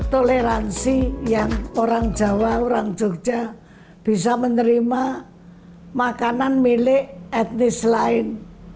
toleransi yang orang jawa orang jogja bisa menerima makanan milik etnis lain